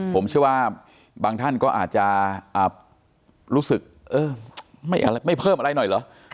ผมเชื่อว่าบางท่านก็อาจจะรู้สึกไม่เพิ่มอะไรหน่อยเหรอ